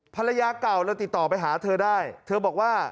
ภรรยาเก่าเลยติดต่อไปหาเธอได้เธอบอกว่า